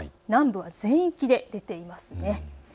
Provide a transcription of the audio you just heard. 南部も全域で出ていますね。